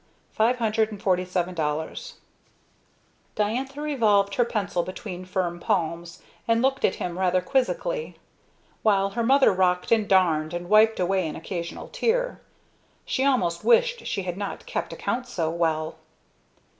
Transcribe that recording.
$547.00 Diantha revolved her pencil between firm palms, and looked at him rather quizzically; while her mother rocked and darned and wiped away an occasional tear. She almost wished she had not kept accounts so well.